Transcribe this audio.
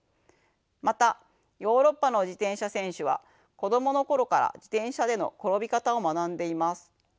またヨーロッパの自転車選手は子供のころから自転車での転び方を学んでいます。